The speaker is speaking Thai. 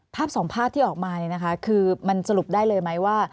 ภาพสองภาพที่ออกมาคือมันสรุปได้เลยไหมว่า